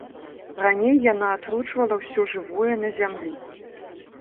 Раней яна атручвала ўсё жывое на зямлі.